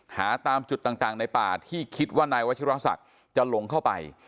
หาตามจุดต่างในป่าที่คิดว่านายวัชิราศักดิ์จะหลงเข้าไป